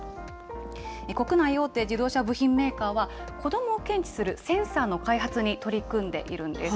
国内大手自動車部品メーカーは、子どもを検知するセンサーの開発に取り組んでいるんです。